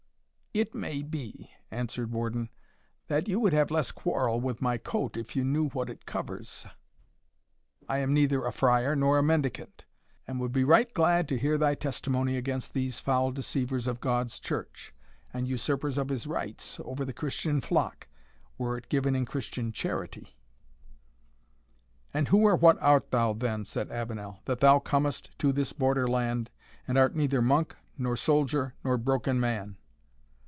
"It may be," answered Warden, "that you would have less quarrel with my coat if you knew what it covers, I am neither a friar nor mendicant, and would be right glad to hear thy testimony against these foul deceivers of God's church, and usurpers of his rights over the Christian flock, were it given in Christian charity." "And who or what art thou, then," said Avenel, "that thou comest to this Border land, and art neither monk, nor soldier, nor broken man?"